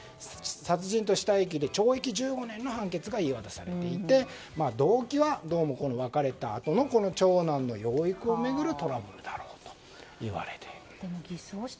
殺人と死体遺棄で懲役１５年の判決が言い渡されていて動機は別れたあとの長男の養育を巡るトラブルだろうといわれています。